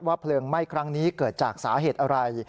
เพลิงไหม้ครั้งนี้เกิดจากสาเหตุอะไร